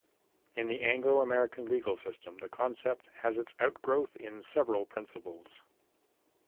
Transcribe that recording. In the Anglo-American legal system, the concept has its outgrowth in several principles.